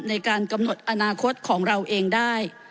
ในการกำหนดอนาคตของเราเองได้